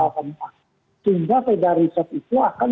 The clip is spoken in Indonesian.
sehingga feda riset itu akan